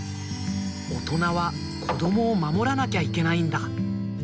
おとなはこどもをまもらなきゃいけないんだ！